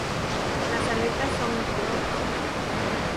Las aletas son incoloras.